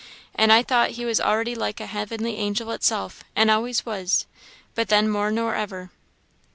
An' I thought he was already like a heavenly angel itself, an' always was, but then more nor ever.